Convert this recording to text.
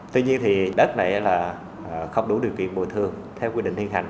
tuy nhiên đất này không đủ điều kiện bồi thường theo quy định thiên hành